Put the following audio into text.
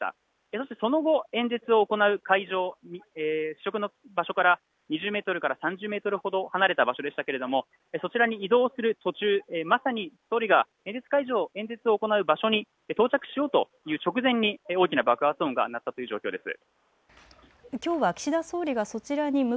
そしてその後、演説を行う会場、試食の場所から２０メートルから３０メートルほど離れた場所でしたが、そちらに移動する途中、まさに総理が演説会場演説を行う場所に到着しようとした直前に大きな爆発音が鳴ったということです。